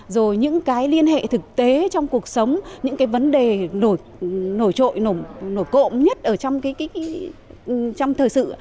rồi những cái liên hệ thực tế trong cuộc sống những cái vấn đề nổi trội nổi cộng nhất ở trong cái thời sự